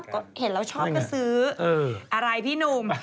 ก็เห็นแล้วชอบก็ซื้ออะไรพี่หนุ่ม